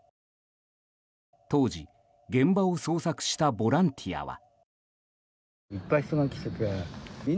当時、現場を捜索したボランティアは。